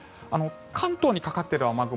関東にかかっている雨雲